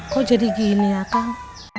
kok jadi gini ya kang